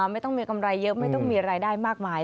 ไม่ต้องมีกำไรเยอะไม่ต้องมีรายได้มากมาย